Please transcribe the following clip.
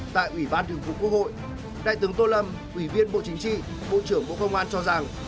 tại ủy ban thường vụ quốc hội đại tướng tô lâm ủy viên bộ chính trị bộ trưởng bộ công an cho rằng